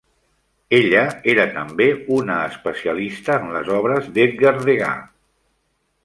Ella era també una especialista en les obres d'Edgar Degas.